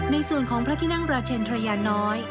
ในส่วนของพระที่นั่งราชินทรยาน้อย